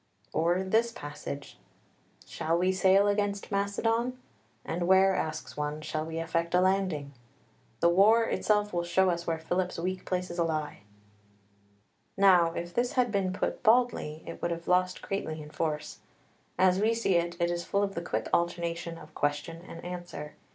Or this passage: "Shall we sail against Macedon? And where, asks one, shall we effect a landing? The war itself will show us where Philip's weak places lie." Now if this had been put baldly it would have lost greatly in force. As we see it, it is full of the quick alternation of question and answer.